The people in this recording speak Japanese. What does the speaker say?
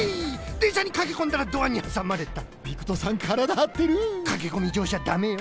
でんしゃにかけこんだらドアにはさまれたピクトさんからだはってるかけこみじょうしゃだめよ。